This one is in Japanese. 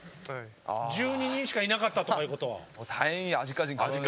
１２人しかいなかったとかいうことは。